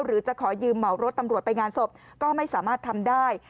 หรือจะขอยืมเหมารถตำรวจไปงานศพก็ไม่สามารถทำได้